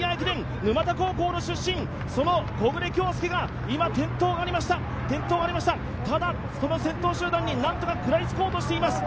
沼田高校の出身、その木榑杏祐が今、転倒がありました、ただ、この先頭集団に何とか食らいつこうとしています。